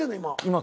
今。